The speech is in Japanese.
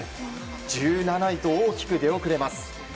１７位と大きく出遅れます。